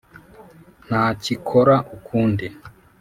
ntacyikora ukundi,